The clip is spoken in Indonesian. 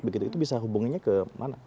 begitu itu bisa hubungannya ke mana